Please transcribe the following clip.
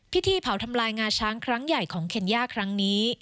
พิธีเผาทำลายงาช้างครั้งใหญ่ของเคนย่าครั้งนี้